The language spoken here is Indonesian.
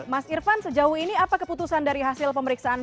mas irvan sejauh ini apa keputusan dari hasil pemeriksaan